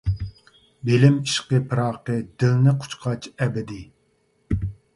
بىلىم ئىشقى پىراقى، دىلنى قۇچقاچ ئەبەدى.